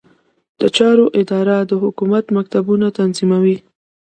د چارو اداره د حکومت مکتوبونه تنظیموي